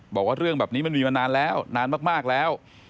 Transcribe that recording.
บอกว่าเรื่องแบบนี้มันมีมานานแล้วนานมากแล้ว